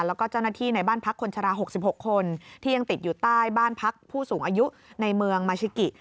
แล้วก็เจ้าหน้าที่ในบ้านพักคนชรา๖๖คนที่ยังติดอยู่ใต้บ้านพักผู้สูงอายุในเมืองมาชิกิ